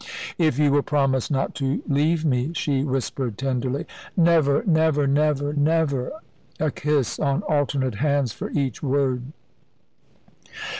"If you will promise not to leave me," she whispered tenderly. "Never! never! never! never!" a kiss on alternate hands for each word.